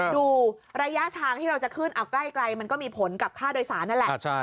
ดูระยะทางที่เราจะขึ้นเอาใกล้มันก็มีผลกับค่าโดยสารนั่นแหละ